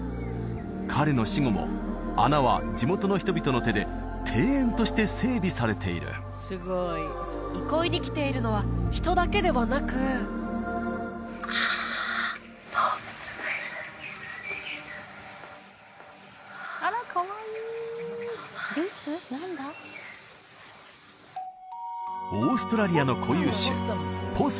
彼の死後も穴は地元の人々の手で庭園として整備されている憩いに来ているのは人だけではなくあっオーストラリアの固有種